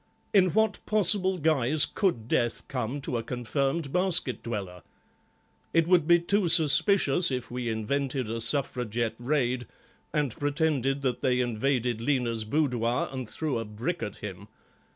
In what possible guise could death come to a confirmed basket dweller? It would be too suspicious if we invented a Suffragette raid and pretended that they invaded Lena's boudoir and threw a brick at him.